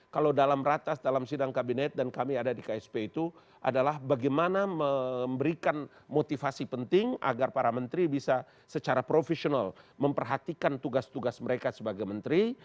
kalau dalam ratas dalam sidang kabinet dan kami ada di ksp itu adalah bagaimana memberikan motivasi penting agar para menteri bisa secara profesional memperhatikan tugas tugas mereka sebagai menteri